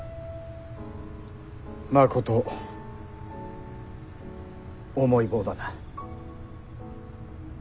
まこと重い棒だな。